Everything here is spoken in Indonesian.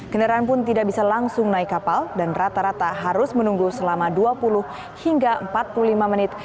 kendaraan pun tidak bisa langsung naik kapal dan rata rata harus menunggu selama dua puluh hingga empat puluh lima menit